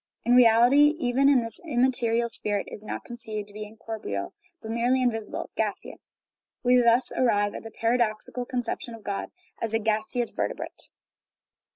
In real ity, even this immaterial spirit is not conceived to be incorporeal, but merely invisible, gaseous. We thus arrive at the paradoxical conception of God as a gaseous vertebrate.